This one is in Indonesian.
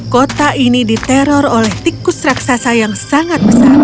kota ini diteror oleh tikus raksasa yang sangat besar